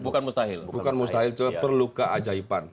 bukan mustahil cuma perlu keajaiban